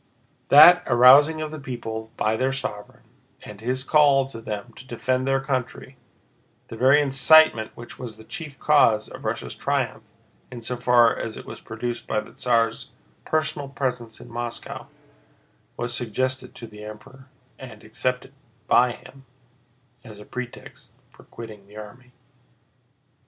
That arousing of the people by their sovereign and his call to them to defend their country—the very incitement which was the chief cause of Russia's triumph in so far as it was produced by the Tsar's personal presence in Moscow—was suggested to the Emperor, and accepted by him, as a pretext for quitting the army.